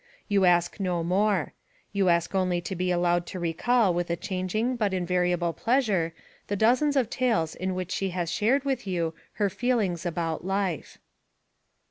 You ask no more. You ask only to be allowed to recall with a changing but invariable pleasure the dozens of tales in which she has shared with you her feelings about life.